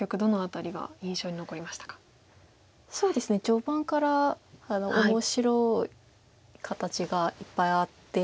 序盤から面白い形がいっぱいあって。